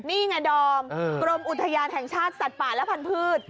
นี่ไงดอมกรมอุทยานแห่งชาติสัตว์ป่าและพันธุ์